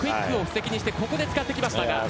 クイックを布石にしてここで使ってきました。